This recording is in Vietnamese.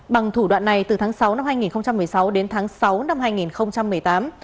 bằng thủ đoạn này từ tháng sáu năm hai nghìn một mươi sáu đến tháng sáu năm hai nghìn một mươi tám